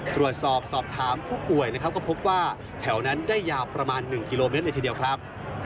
ตรวจสอบสอบถามผู้ป่วยนะครับก็พบว่าแถวนั้นได้ยาวประมาณ๑กิโลเมตรเลยทีเดียวครับ